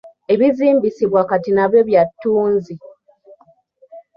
Ebizimbisibwa kati nabyo byattunzi.